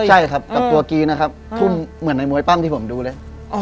ใช่ครับกับตัวกี้นะครับทุ่มเหมือนในมวยปั้มที่ผมดูเลย